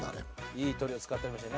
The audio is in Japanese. いい鶏を使ってましたよ。